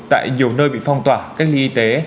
tại nhiều nơi bị phong tỏa cách ly y tế